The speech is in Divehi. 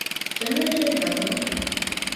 ޖަނަރޭޓަރެއް ގަތުމަށް